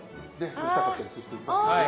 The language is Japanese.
うるさかったりする人いますよね。